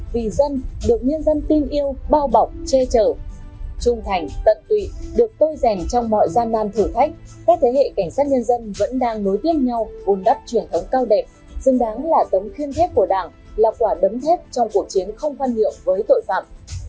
vì dân được nhân dân tin yêu bao bọc che trở trung thành tận tụy được tôi rèn trong mọi gian nan thử thách các thế hệ cảnh sát nhân dân vẫn đang nối tiếp nhau un đắp truyền thống cao đẹp xứng đáng là tấm khiên thép của đảng là quả đấm thép trong cuộc chiến không phân hiệu với tội phạm